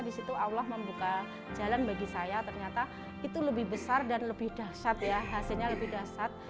disitu allah membuka jalan bagi saya ternyata itu lebih besar dan lebih dasar ya hasilnya lebih dasar